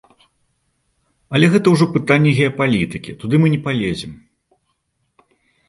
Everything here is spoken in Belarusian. Але гэта ўжо пытанні геапалітыкі, туды мы не палезем.